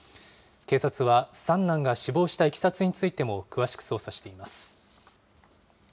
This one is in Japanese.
警察は三男が死亡したいきさつについても、詳しく捜査しています。